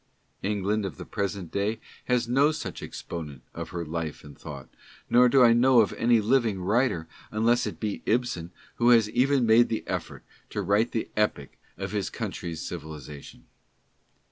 England of the present day has no such exponent of her life and thought, nor do I know of any living writer, unless it be Ibsen, who has even made the effort to write the epic of his COS TELL OE—SCHMID T. 53 country's civilization.